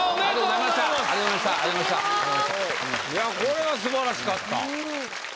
いやこれは素晴らしかった。